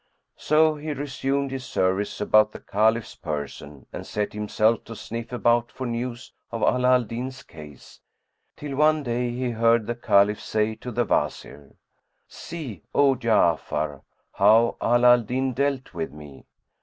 So he resumed his service about the Caliph's person and set himself to sniff about for news of Ala al Din's case, till one day he heard the Caliph say to the Watir, "See, O Ja'afar, how Ala al Din dealt with me!"